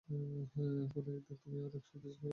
কোনো একদিন তুমি অনেক শক্তিশালী হয়ে উঠবে।